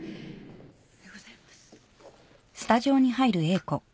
おはようございます。